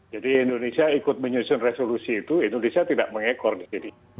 jadi indonesia ikut menyusun resolusi itu indonesia tidak mengekor disini